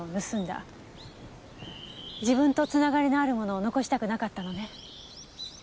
自分と繋がりのあるものを残したくなかったのね。